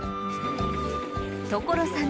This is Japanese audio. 所さん